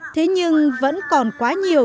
thế nhưng vẫn còn quá nhiều